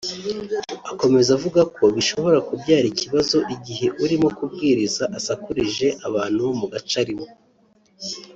Akomeza avuga ko bishobora kubyara ikibazo igihe urimo kubwiriza asakurije abantu bo mu gace arimo